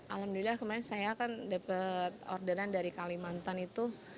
alhamdulillah kemarin saya kan dapat orderan dari kalimantan itu